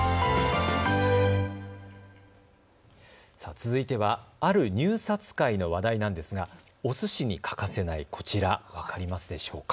続いては、ある入札会の話題なんですがおすしに欠かせないこちら、分かりますでしょうか。